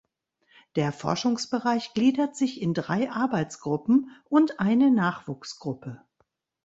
Der Forschungsbereich gliedert sich in drei Arbeitsgruppen und eine Nachwuchsgruppe.